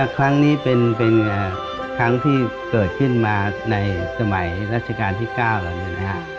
ครั้งนี้เป็นครั้งที่เกิดขึ้นมาในสมัยรัชกาลที่๙แล้วเนี่ยนะฮะ